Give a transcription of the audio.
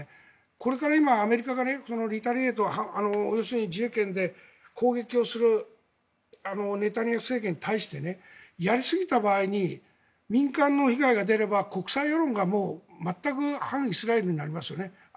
これから今アメリカがリタレート要するに自衛権で攻撃をするネタニヤフ政権に対してやりすぎた場合に民間への被害が出たら国際世論が反イスラエルになりますよね。